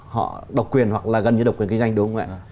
họ độc quyền hoặc là gần như độc quyền kinh doanh đúng không ạ